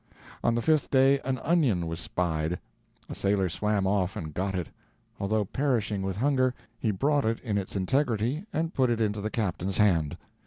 On the fifth day an onion was spied. A sailor swam off and got it. Although perishing with hunger, he brought it in its integrity and put it into the captain's hand.